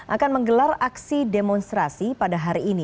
akan menggelar aksi demonstrasi pada hari ini